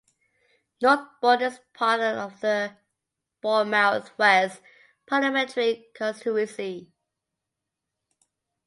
Northbourne is part of the Bournemouth West parliamentary constituency.